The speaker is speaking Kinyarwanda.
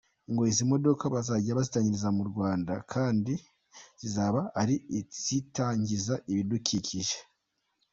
Ngo izi modoka bazajya bateranyiriza mu Rwanda kandi zizaba ari izitangiza ibidukikije.